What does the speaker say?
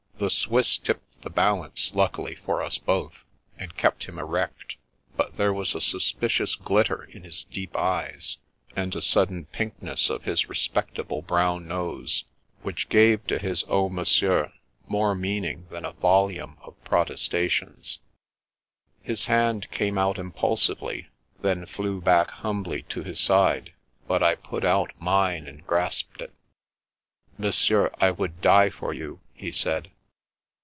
The Swiss tipped the balance, luckily for us both, and kept him erect ; but there was a suspicious glitter in his deep eyes, and a sudden pinkness of his respectable brown nose, which gave to his " Oh, Monsieur !" more meaning than a volume of protestations. His hand came out impulsively, then flew back humbly to his side, but I put out mine and grasped it. Monsieur, I would die for you," he said.